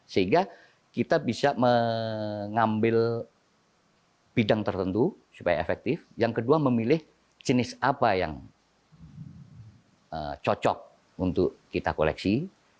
sehingga kita bisa mengambil bidang tertentu supaya efektif yang kedua memilih jenis apa yang cocok untuk kita koleksi